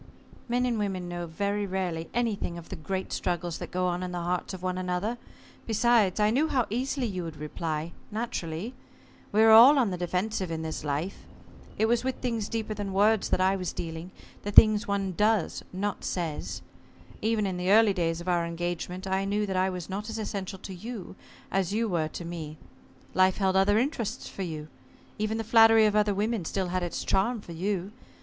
"Men and women know very rarely anything of the great struggles that go on in the hearts of one another. Besides, I knew how easily you would reply naturally. We are all on the defensive in this life. It was with things deeper than words that I was dealing the things one does not says. Even in the early days of our engagement I knew that I was not as essential to you as you were to me. Life held other interests for you. Even the flattery of other women still had its charm for you.